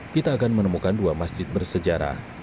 kita akan menemukan dua masjid bersejarah